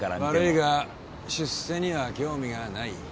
悪いが出世には興味がない。